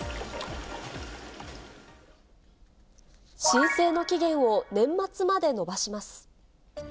申請の期限を年末まで延ばします。